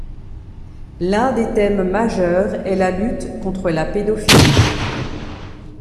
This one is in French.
L'un des thèmes majeurs est la lutte contre la pédophilie.